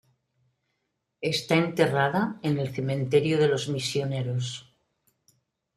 Está enterrada en el cementerio de los misioneros.